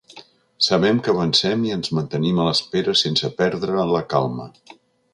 Sabem que avancem i ens mantenim a l’espera sense perdre la calma.